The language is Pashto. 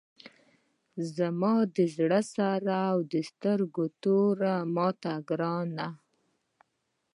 زما د زړه سر او د سترګو توره ماته ګرانه!